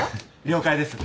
了解です。